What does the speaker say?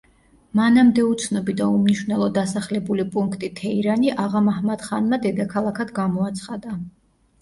მანამდე უცნობი და უმნიშვნელო დასახლებული პუნქტი თეირანი აღა მაჰმად ხანმა დედაქალაქად გამოაცხადა.